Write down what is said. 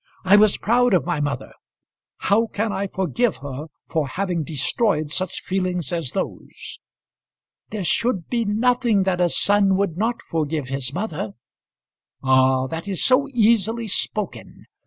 I was proud of my mother. How can I forgive her for having destroyed such feelings as those?" "There should be nothing that a son would not forgive his mother." "Ah! that is so easily spoken.